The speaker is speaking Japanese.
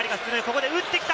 ここで打ってきた！